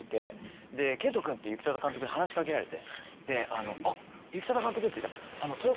行定監督に話し掛けられて「あっ行定監督」って言ったら。